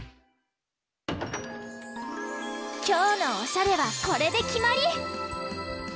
きょうのおしゃれはこれできまり！